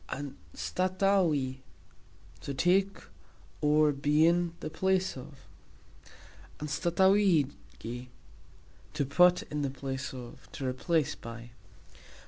"Anstatauxi", to take (or, be in) the place of; "anstatauxigi", to put in the place of, to replace (by).